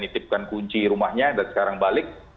nitipkan kunci rumahnya dan sekarang balik